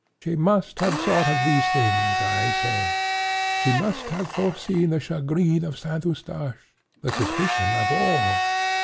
She must have thought of these things, I say. She must have foreseen the chagrin of St. Eustache, the suspicion of all.